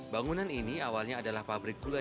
bangunan ini awalnya adalah pabrik gula